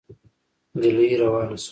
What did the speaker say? نجلۍ روانه شوه.